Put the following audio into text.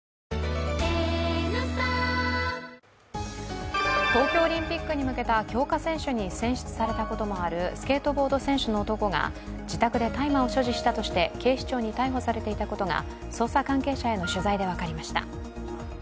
乳酸菌東京オリンピックに向けた強化選手に選出されたこともあるスケートボード選手の男が自宅で大麻を所持したとして警視庁に逮捕されていたことが捜査関係者への取材で分かりました。